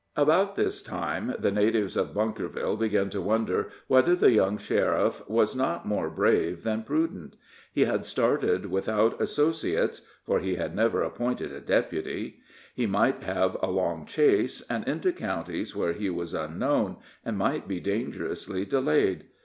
About this time the natives of Bunkerville began to wonder whether the young sheriff was not more brave than prudent. He had started without associates (for he had never appointed a deputy); he might have a long chase, and into counties where he was unknown, and might be dangerously delayed.